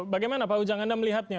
bagaimana pak ujang anda melihatnya